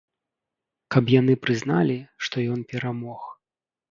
Каб яны прызналі, што ён перамог.